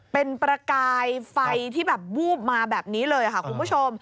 เป็นประกายไฟที่แบบวูบมาแบบนี้เลยค่ะคุณผู้ชม